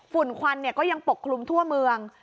ควันก็ยังปกคลุมทั่วเมือง